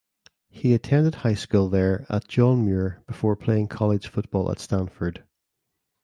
He attended high school there at John Muir before playing college football at Stanford.